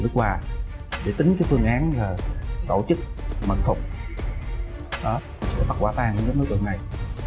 nước hòa để tính cái phương án là tổ chức mật phục đó để bắt quả tan đối tượng này